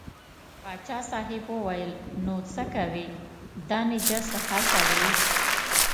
پاچا صاحب وویل نو څه کوې دا نجس هلته وړې.